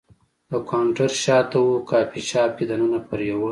د کاونټر شاته و، کافي شاپ کې دننه پر یوه.